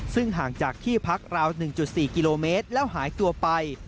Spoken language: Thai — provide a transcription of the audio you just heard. ซึ่งห่างจากที่พักราว๑๔กิโลเมตรแล้วหายตัวไป